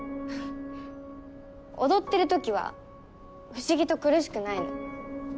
踊ってる時は不思議と苦しくないの。